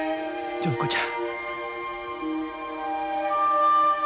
純子ちゃん！